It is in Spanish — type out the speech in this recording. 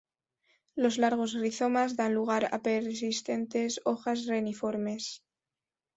Los largos rizomas dan lugar a persistentes hojas reniformes.